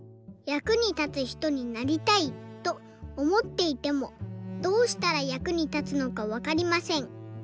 「役に立つひとになりたいとおもっていてもどうしたら役に立つのかわかりません。